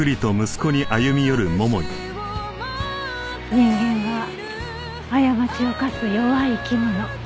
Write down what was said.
人間は過ちを犯す弱い生き物。